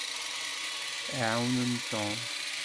Ɛawnem Tom.